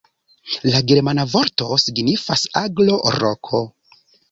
La germana vorto signifas aglo-roko.